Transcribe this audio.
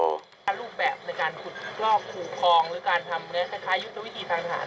ถ้ารูปแบบในการขุดลอกคูคลองหรือการทำคล้ายยุทธวิธีทางทหาร